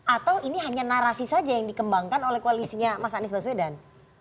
atau ini hanya narasi saja yang dikembangkan oleh koalisinya mas anies baswedan